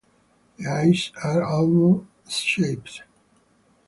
The eyes are almond shaped.